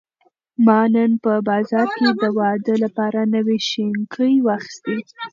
ما نن په بازار کې د واده لپاره نوې شینکۍ واخیستې.